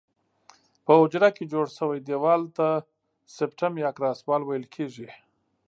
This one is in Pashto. په حجره کې جوړ شوي دیوال ته سپټم یا کراس وال ویل کیږي.